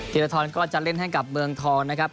ธีรทรก็จะเล่นให้กับเมืองทองนะครับ